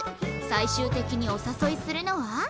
最終的にお誘いするのは？